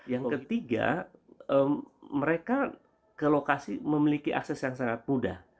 yang ketiga mereka ke lokasi memiliki akses yang sangat mudah